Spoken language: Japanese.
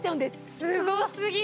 すごすぎる！